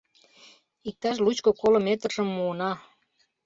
Иктаж лучко-коло метржым муына.